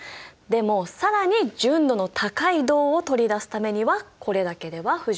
でも更に純度の高い銅を取り出すためにはこれだけでは不十分。